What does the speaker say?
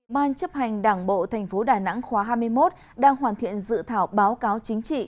ban chấp hành đảng bộ tp đà nẵng khóa hai mươi một đang hoàn thiện dự thảo báo cáo chính trị